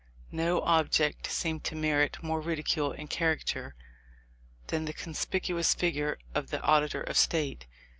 No object seemed to merit more ridicule and carica ture than the conspicuous figure of the Auditor of State.